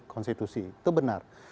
konstitusi itu benar